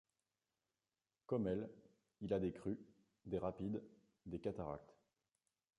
Comme elles, il a des crues, des rapides, des cataractes.